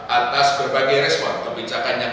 atas berbagai respon kebijakan yang